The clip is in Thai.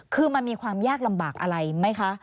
คือมันมีความยากลำบากอะไรไหมคะ